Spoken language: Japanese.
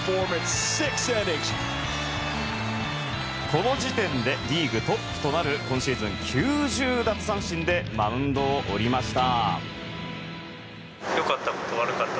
この時点でリーグトップとなる今シーズン９０奪三振でマウンドを降りました。